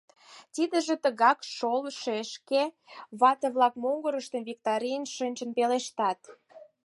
— Тидыже тыгак шол, шешке! — вате-влак могырыштым виктарен шинчын пелештат.